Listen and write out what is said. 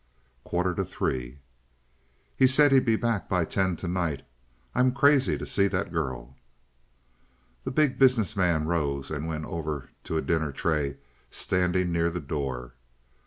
"Quarter to three." "He said he'd be back by ten to night. I'm crazy to see that girl." The Big Business Man rose and went over to a dinner tray, standing near the door.